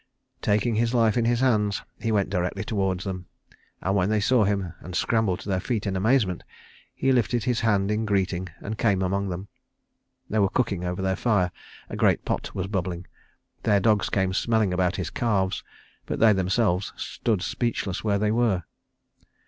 Taking his life in his hands he went directly towards them, and when they saw him, and scrambled to their feet in amazement, he lifted his hand in greeting and came among them. They were cooking over their fire; a great pot was bubbling. Their dogs came smelling about his calves; but they themselves stood speechless where they were.